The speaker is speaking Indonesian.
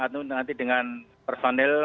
nanti dengan personil